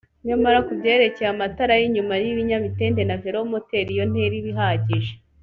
nyamara ku byerekeye amatara y’inyuma y’ibinyamitende na velomoteri iyo ntera iba ihagije